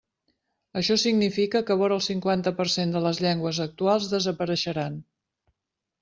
Això significa que vora el cinquanta per cent de les llengües actuals desapareixeran.